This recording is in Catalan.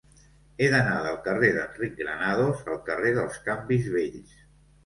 He d'anar del carrer d'Enric Granados al carrer dels Canvis Vells.